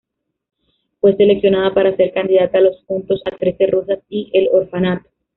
Fue seleccionada para ser candidata a los junto a "Trece Rosas" y "El Orfanato".